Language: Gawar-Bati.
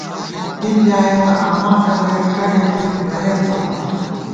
کی بۡلیایَہ تہ آما تنگَئ کڈہ کېئ بَیېر څلوت